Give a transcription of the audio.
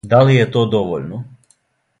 Да ли је то довољно?